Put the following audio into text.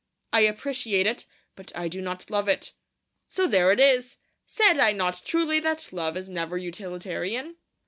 I appreciate it, but I do not love it. So there it is! Said I not truly that love is never utilitarian?